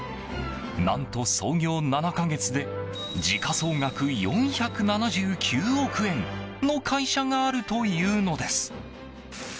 何と創業７か月で時価総額４７９億円の会社があるというのです。